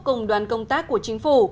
cùng đoàn công tác của chính phủ